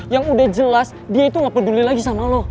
yang udah jelas dia itu gak peduli lagi sama lo